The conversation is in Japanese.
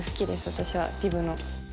私はリブの。